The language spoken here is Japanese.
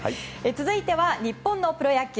続いては日本のプロ野球